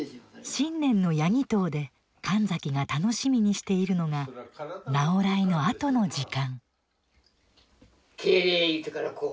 新年の家祈祷で神崎が楽しみにしているのが直会のあとの時間。